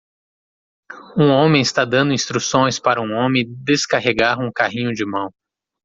Um homem está dando instruções para um homem descarregar um carrinho de mão.